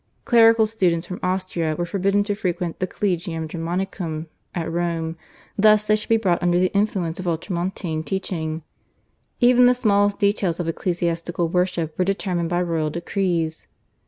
Clerical students from Austria were forbidden to frequent the /Collegium Germanicum/ at Rome lest they should be brought under the influence of ultramontane teaching. Even the smallest details of ecclesiastical worship were determined by royal decrees.